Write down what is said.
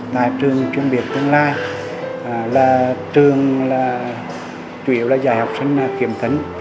tại trường chuyên biệt tương lai trường chủ yếu là giải học sinh kiểm thấn